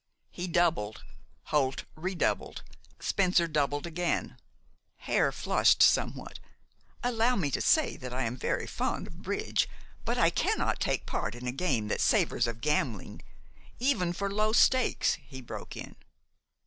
He doubled. Holt redoubled. Spencer doubled again. Hare flushed somewhat. "Allow me to say that I am very fond of bridge; but I cannot take part in a game that savors of gambling, even for low stakes," he broke in.